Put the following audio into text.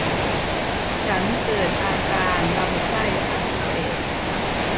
ฉันเกิดอาการลำไส้อักเสบ